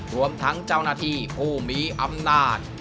รวมทั้งเจ้าหน้าที่ผู้มีอำนาจ